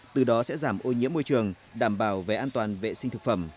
từ đó sẽ giảm ô nhiễm môi trường đảm bảo về an toàn vệ sinh thực phẩm